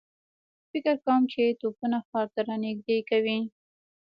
فکر کوم چې توپونه ښار ته را نږدې کوي.